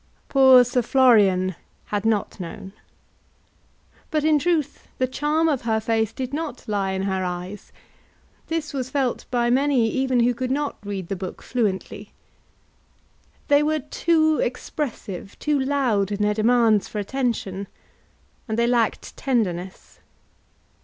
Poor Sir Florian had not known. But, in truth, the charm of her face did not lie in her eyes. This was felt by many even who could not read the book fluently. They were too expressive, too loud in their demands for attention, and they lacked tenderness.